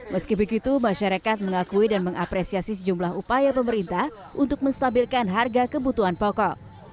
meski begitu masyarakat mengakui dan mengapresiasi sejumlah upaya pemerintah untuk menstabilkan harga kebutuhan pokok